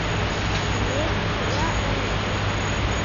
— Теҥгече чыла ыльыс.